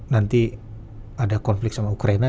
nanti ada konflik sama ukraina